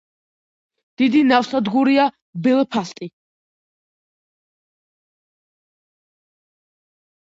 დიდი ნავსადგურია ბელფასტი.